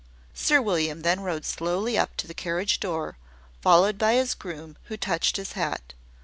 Sir William then rode slowly up to the carriage door, followed by his groom, who touched his hat.